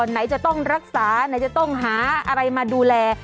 ไหนจะต้องรักษาไหนจะต้องหาอะไรมาดูแล